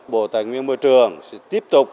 bộ tài nguyên và môi trường sẽ tiếp tục